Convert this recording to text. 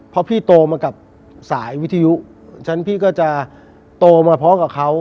เพราะพี่โตมากับสายวิทยุฉันพี่ก็จะโตมาพร้อมกับเขา